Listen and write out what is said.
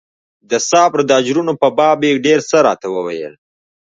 د صبر د اجرونو په باب يې ډېر څه راته وويل.